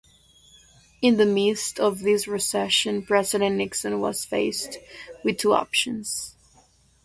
In the midst of this recession President Nixon was faced with two options.